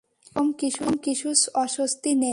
এরকম কিছুর অস্তিত্ব নেই।